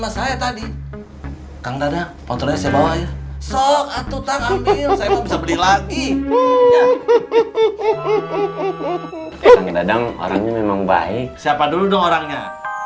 siapa dulu dong orangnya